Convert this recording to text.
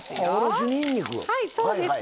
はいそうです。